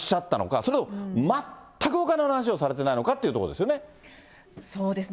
それとも全くお金の話をされてないのかっていうところですよね。